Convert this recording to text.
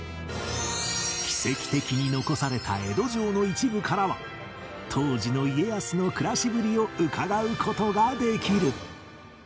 奇跡的に残された江戸城の一部からは当時の家康の暮らしぶりをうかがう事ができる